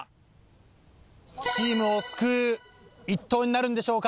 チームを救う一投になるんでしょうか。